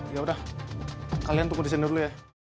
ya udah kalian tunggu disini dulu ya